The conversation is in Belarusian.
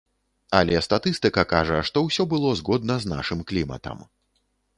Але статыстыка кажа, што ўсё было згодна з нашым кліматам.